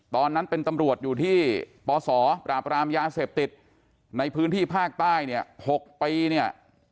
ตอนนั้นเป็นตำรวจอยู่ที่ปศปราบรามยาเสพติดในพื้นที่ภาคใต้เนี่ย๖ปีเนี่ย